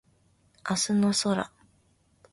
明日の空